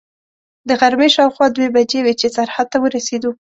د غرمې شاوخوا دوې بجې وې چې سرحد ته ورسېدو.